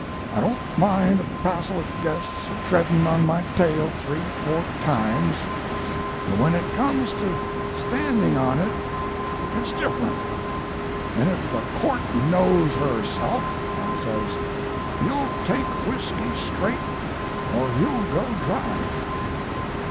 I don't mind a passel of guests a treadin' on my tail three or four times, but when it comes to standing on it it's different, 'and if the court knows herself,' I says, 'you'll take whisky straight or you'll go dry.'